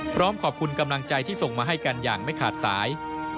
พร้อมขอบคุณกำลังใจที่ส่งมาให้กันอย่างไม่ขาดสาย